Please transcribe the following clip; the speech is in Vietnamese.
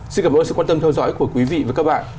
xin cảm ơn sự quan tâm theo dõi của quý vị và các bạn